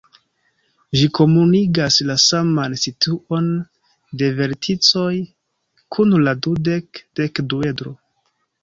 Ĝi komunigas la saman situon de verticoj kun la dudek-dekduedro.